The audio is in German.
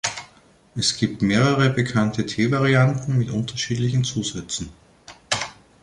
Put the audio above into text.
Es gibt mehrere bekannte Teevarianten mit unterschiedlichen Zusätzen.